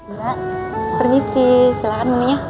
mbak pergisi silahkan ini ya